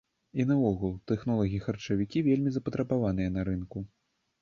І наогул, тэхнолагі-харчавікі вельмі запатрабаваныя на рынку.